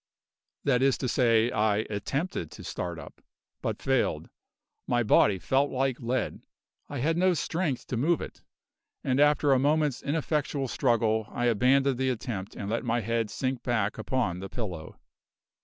That is to say I attempted to start up but failed: my body felt like lead; I had no strength to move it, and after a moment's ineffectual struggle I abandoned the attempt and let my head sink back upon the pillow.